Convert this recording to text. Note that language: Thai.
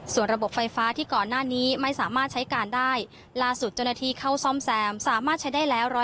ส่วนระบบไฟฟ้าที่ก่อนหน้านี้ไม่สามารถใช้การได้ล่าสุดเจ้าหน้าที่เข้าซ่อมแซมสามารถใช้ได้แล้ว